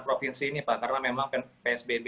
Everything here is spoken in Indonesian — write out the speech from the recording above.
provinsi ini pak karena memang psbb